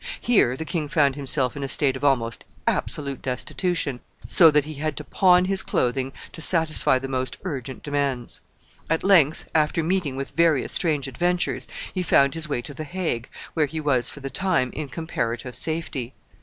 Here the king found himself in a state of almost absolute destitution, so that he had to pawn his clothing to satisfy the most urgent demands. At length, after meeting with various strange adventures, he found his way to the Hague, where he was, for the time, in comparative safety.